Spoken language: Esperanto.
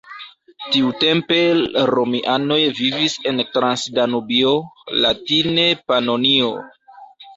Tiutempe romianoj vivis en Transdanubio, latine Panonio.